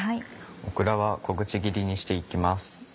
オクラは小口切りにして行きます。